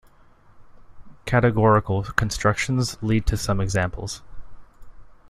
Categorical constructions lead to some examples.